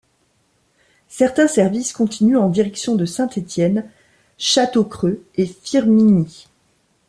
Certains services continuent en direction de Saint-Étienne Châteaucreux et Firminy.